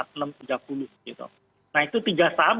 gitu nah itu tiga sam